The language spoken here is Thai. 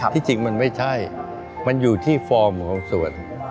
ที่จริงมันไม่ใช่มันอยู่ที่ฟอร์มของสวน